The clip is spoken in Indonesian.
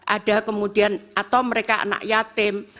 ada kemudian atau mereka anak yatim